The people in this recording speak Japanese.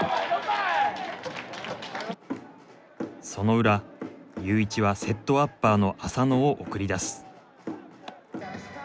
そのウラユーイチはセットアッパーの浅野を送り出す。